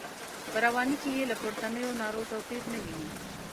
په رواني کې یې له پورتنیو نارو توپیر نه ویني.